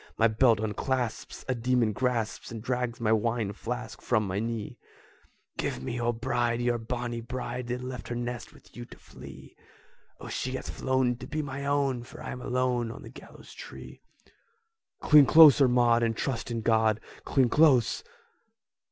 My belt unclasps, a demon grasps And drags my wine flask from my knee!" "Give me your bride, your bonnie bride, That left her nest with you to flee! O, she hath flown to be my own, For I'm alone on the gallows tree!" "Cling closer, Maud, and trust in God! Cling close!